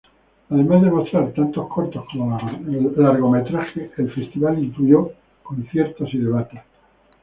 Además de mostrar tanto cortos como largometrajes, el festival incluyó conciertos y debates.